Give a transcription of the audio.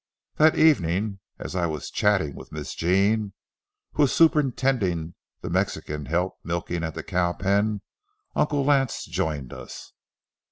That evening, as I was chatting with Miss Jean, who was superintending the Mexican help milking at the cow pen, Uncle Lance joined us.